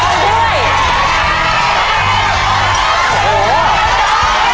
ดีเวลาดี